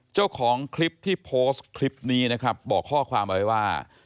เจ้าของคลิปที่โพสต์คลิปนี้นะครับบอกข้อความเอาไว้ว่า